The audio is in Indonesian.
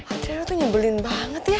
adriana tuh nyebelin banget ya